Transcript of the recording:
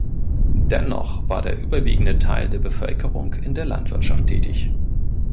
Dennoch war der überwiegende Teil der Bevölkerung in der Landwirtschaft tätig.